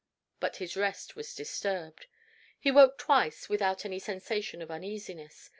But his rest was disturbed. He woke twice without any sensation of uneasiness.